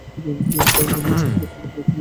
সারদানন্দের সাফল্যের খবর পেয়ে আমি খুব খুশী হয়েছি।